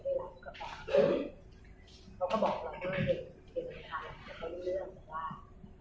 แล้วเราก็บอกเราก็ไม่ได้รู้ค่ะเราก็รู้เรื่องว่าแม่แสดงสิทธิ์